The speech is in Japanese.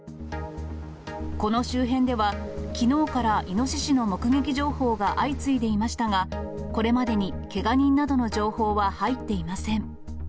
この周辺では、きのうからイノシシの目撃情報が相次いでいましたが、これまでにけが人などの情報は入っていません。